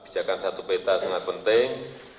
kebijakan satu peta sangat penting